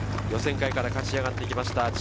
予選会から勝ち上がってきました。